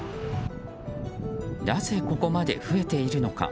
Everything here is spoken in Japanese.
なぜここまで増えているのか。